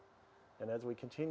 dan memahami bagaimana